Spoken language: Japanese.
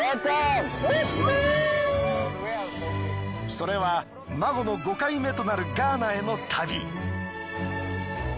それはＭＡＧＯの５回目となるガーナへの旅。